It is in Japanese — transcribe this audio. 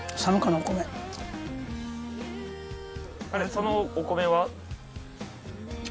そのお米は？